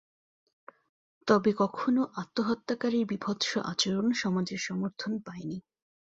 তবে কখনও আত্মহত্যাকারীর বীভৎস আচরণ সমাজের সমর্থন পায়নি।